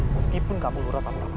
meskipun kamu lura tamu tamu